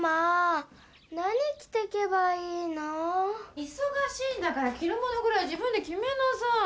いそがしいんだからきるものぐらい自分できめなさい。